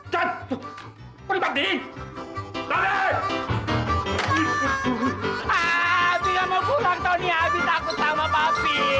tapi takut sama papi